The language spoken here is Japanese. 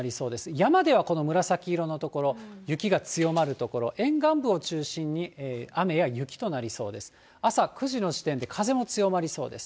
山ではこの紫色の所、雪が強まる所、沿岸部を中心に雨や雪となりそうです。